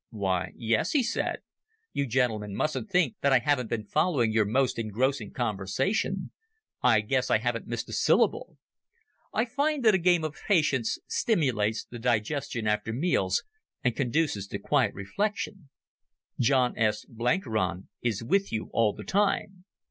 "Why, yes," he said. "You gentlemen mustn't think that I haven't been following your most engrossing conversation. I guess I haven't missed a syllable. I find that a game of Patience stimulates the digestion after meals and conduces to quiet reflection. John S. Blenkiron is with you all the time."